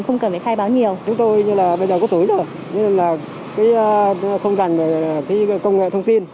chúng tôi như là bây giờ có túi rồi như là cái không rành về công nghệ thông tin